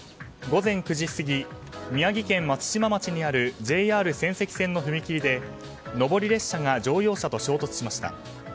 午前９時過ぎ宮城県松島町にあるＪＲ仙石線の踏切で上り列車が乗用車と衝突しました。